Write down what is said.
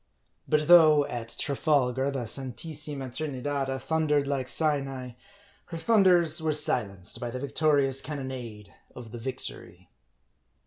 But though, at Trafalgar, the Santissima Trinidada thundered like Sinai, her thunders were silenced by the victorious cannonade of the Victory.